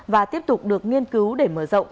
và tiếp tục được nghiên cứu để mở rộng